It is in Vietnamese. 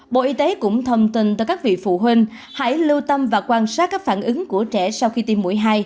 bộ y tế cũng thông tin tới các vị phụ huynh hãy lưu tâm và quan sát các phản ứng của trẻ sau khi tiêm mũi hai